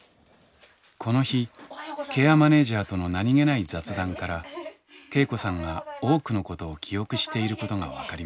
この日ケアマネージャーとの何気ない雑談から恵子さんが多くのことを記憶していることが分かりました。